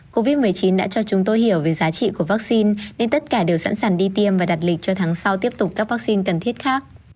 covid một mươi chín đã cho chúng tôi hiểu về giá trị của vaccine nên tất cả đều sẵn sàng đi tiêm và đặt lịch cho tháng sau tiếp tục các vaccine cần thiết khác